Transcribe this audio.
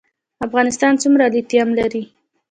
افغانستان څومره لیتیم لري؟